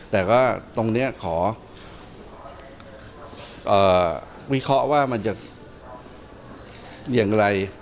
แต่ก็ตรงนี้ขอวิเคราะห์ว่ามันจะอย่างไร